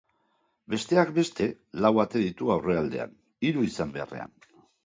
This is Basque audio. Besteak beste, lau ate ditu aurrealdean, hiru izan beharrean.